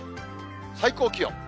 最高気温。